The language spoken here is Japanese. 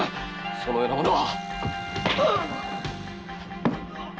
そのような者は。